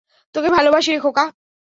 তোকে ভালোবাসি রে, খোকা।